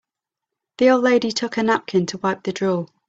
The old lady took her napkin to wipe the drool.